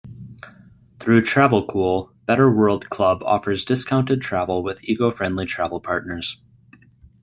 Through TravelCool, Better World Club offers discounted travel with eco-friendly travel partners.